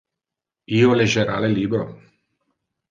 Io legera le libro.